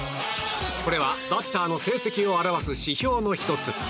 これはバッターの成績を表す指標の１つ。